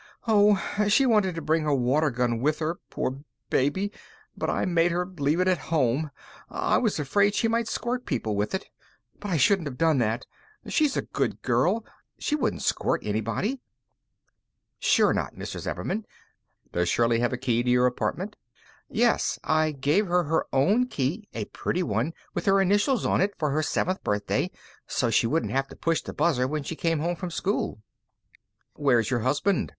"Oh, she wanted to bring her water gun with her, poor baby. But I made her leave it at home I was afraid she might squirt people with it. But I shouldn't have done that! She's a good girl! She wouldn't squirt anybody!" "Sure not, Mrs. Ebbermann. Does Shirley have a key to your apartment?" "Yes. I gave her her own key, a pretty one, with her initials on it, for her seventh birthday, so she wouldn't have to push the buzzer when she came home from school." "Where's your husband?"